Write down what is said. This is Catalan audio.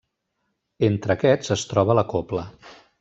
Entre aquests es troba la cobla.